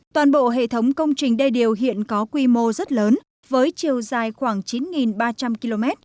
toàn bộ hệ thống công trình đê điều hiện có quy mô rất lớn với chiều dài khoảng chín ba trăm linh km